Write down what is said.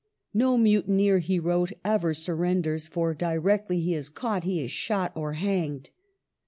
"No mutineer/' he wrote, "ever surrenders; for directly he is caught, he is shot or hanged."